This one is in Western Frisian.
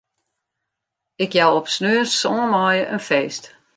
Ik jou op sneon sân maaie in feest.